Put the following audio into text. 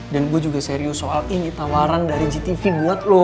dan gue juga serius soal ini tawaran dari gtv buat lo